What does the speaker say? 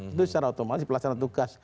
itu secara otomatis pelaksanaan tugas